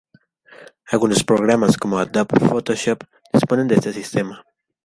Algunos programas como Adobe Photoshop disponen de este sistema.